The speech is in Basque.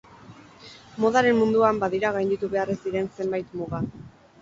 Modaren munduan badira gainditu behar ez diren zenbait muga.